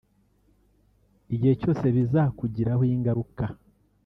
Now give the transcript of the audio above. igihe cyose bizakugiraho ingaruka